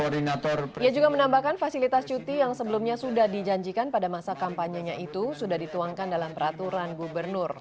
dia juga menambahkan fasilitas cuti yang sebelumnya sudah dijanjikan pada masa kampanyenya itu sudah dituangkan dalam peraturan gubernur